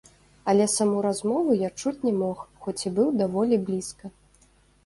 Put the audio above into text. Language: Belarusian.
Але саму размову я чуць не мог, хоць быў даволі блізка.